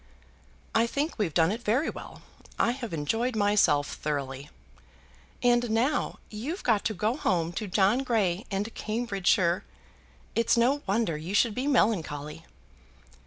"I think we've done it very well. I have enjoyed myself thoroughly." "And now you've got to go home to John Grey and Cambridgeshire! It's no wonder you should be melancholy."